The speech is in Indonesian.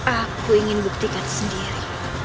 aku ingin buktikan sendiri